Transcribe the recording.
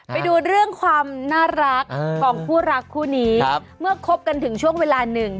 ไปดูเรื่องความน่ารักของคู่รักคู่นี้เมื่อคบกันถึงช่วงเวลาหนึ่ง